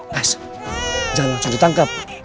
guys jangan langsung ditangkep